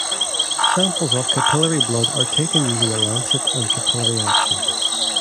Samples of capillary blood are taken using a lancet and capillary action.